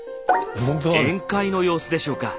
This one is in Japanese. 宴会の様子でしょうか？